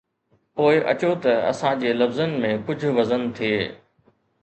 پوءِ اچو ته اسان جي لفظن ۾ ڪجهه وزن ٿئي.